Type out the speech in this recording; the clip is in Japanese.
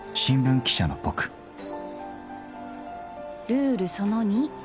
ルールその２。